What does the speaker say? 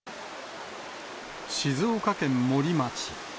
静岡県森町。